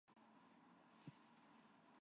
尖沙咀好多舖頭執笠